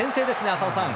浅尾さん。